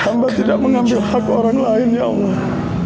tanpa tidak mengambil hak orang lain ya allah